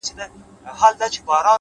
مثبت چلند د سختیو فشار کموي،